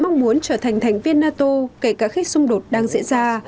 mong muốn trở thành thành viên nato kể cả khi xung đột đang diễn ra